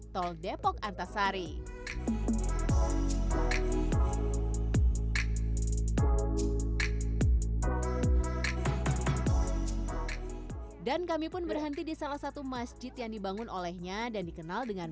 tol depok antasari dan kami pun berhenti di salah satu masjid yang dibangun olehnya dan dikenal dengan